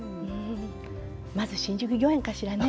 まず新宿御苑かしらね